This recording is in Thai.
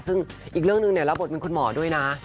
ซึ่งอีกเรื่องหนึ่งรับบทเป็นคุณหมอด้วยนะ